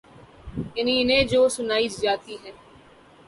یعنی انہیں جو سنائی جاتی ہے۔